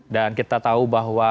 dan kita tahu bahwa